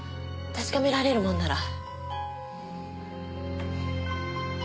確かめられるもんなら。